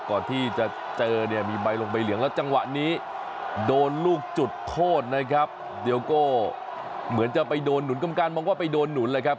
ก่อนที่จะเจอเนี่ยมีใบลงใบเหลืองแล้วจังหวะนี้โดนลูกจุดโทษนะครับเดี๋ยวโก้เหมือนจะไปโดนหนุนกรรมการมองว่าไปโดนหนุนเลยครับ